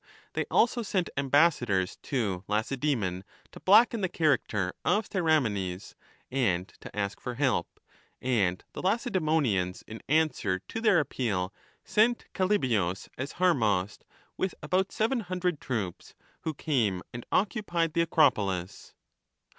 They also sent ambassadors to Lacedaemon to blacken the character of Theramenes and to ask for help ; and the Lacedaemonians, in answer to their appeal, sent Callibius as military governor with about seven hundred troops, who came and occupied the Acropolis.